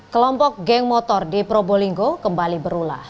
kelompok geng motor di probolinggo kembali berulah